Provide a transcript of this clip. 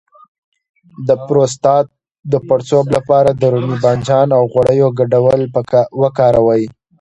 د پروستات د پړسوب لپاره د رومي بانجان او غوړیو ګډول وکاروئ